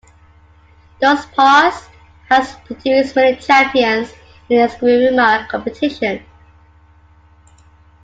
Doce Pares has produced many champions in "Eskrima" competitions.